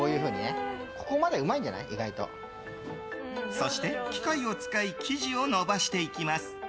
そして、機械を使い生地を延ばしていきます。